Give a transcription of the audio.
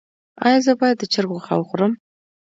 ایا زه باید د چرګ غوښه وخورم؟